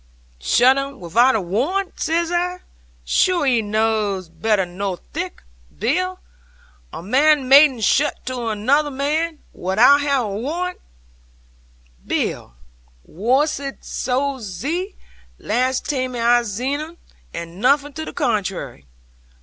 '"Shutt 'un wi'out a warrant!" says I: "sure 'ee knaws better nor thic, Bill! A man mayn't shutt to another man, wi'out have a warrant, Bill. Warship zed so, last taime I zeed un, and nothing to the contrairy."